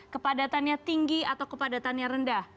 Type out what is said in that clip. kepadatannya tinggi atau kepadatannya rendah